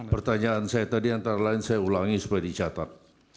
pertanyaan saya tadi antara lain saya ulangi supaya dicatat